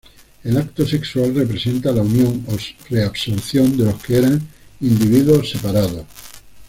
El acto sexual representa la unión o reabsorción de los que eran individuos separados.